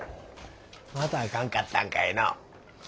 またあかんかったんかいのう？